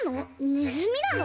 ねずみなの？